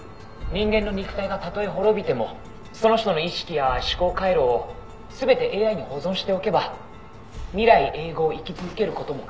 「人間の肉体がたとえ滅びてもその人の意識や思考回路を全てＡＩに保存しておけば未来永劫生き続ける事も可能になる」